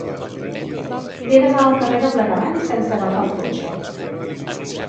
He d'anar al carrer de Plegamans sense agafar el cotxe.